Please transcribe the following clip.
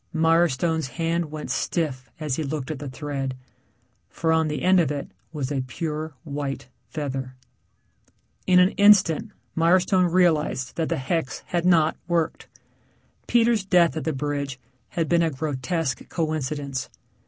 Mirestone's hand went stiff as he looked at the thread, for on the end of it was a pure white feather. In an instant Mirestone realized that the hex had not worked. Peter's death at the bridge had been a grotesque coincidence.